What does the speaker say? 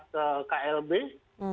dua kali saya mundur